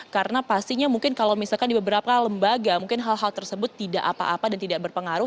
karena pastinya mungkin kalau misalkan di beberapa lembaga mungkin hal hal tersebut tidak apa apa dan tidak berpengaruh